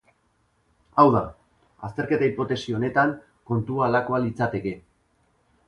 Hau da, azterketa hipotesi honetan kontua halakoa litzateke.